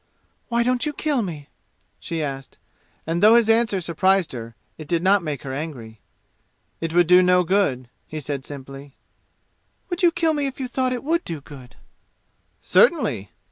"Why don't you kill me?" she asked, and though his answer surprised her, it did not make her angry. "It would do no good," he said simply. "Would you kill me if you thought it would do good?" "Certainly!"